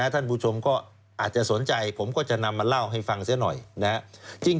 ท่านผู้ชมก็อาจจะสนใจผมก็จะนำมาเล่าให้ฟังเสียหน่อยนะครับ